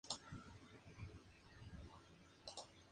Le sucedió en el marquesado su hija.